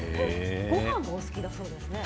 ごはんも大好きだそうですね。